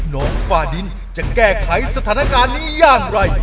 ฝ่าดินจะแก้ไขสถานการณ์นี้อย่างไร